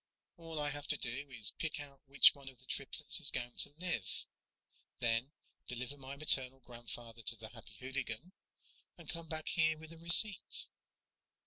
"All I have to do is pick out which one of the triplets is going to live, then deliver my maternal grandfather to the Happy Hooligan, and come back here with a receipt."